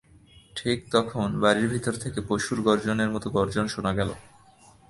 ঠিক তখন বাড়ির ভেতর থেকে পশুর গর্জনের মতো গর্জন শোনা গেল।